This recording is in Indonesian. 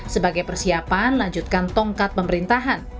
sebagai persiapan lanjutkan tongkat pemerintahan